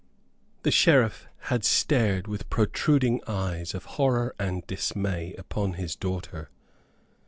The Sheriff had stared with protruding eyes of horror and dismay upon his daughter.